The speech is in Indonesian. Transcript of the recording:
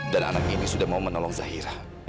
dan anak ini sudah mau menolong zahira